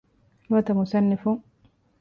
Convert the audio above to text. ނުވަތަ މުޞައްނިފުން